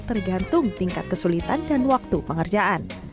tergantung tingkat kesulitan dan waktu pengerjaan